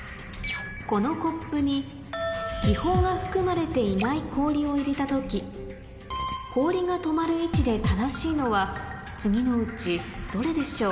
このコップに気泡が含まれていない氷を入れた時氷が止まる位置で正しいのは次のうちどれでしょう？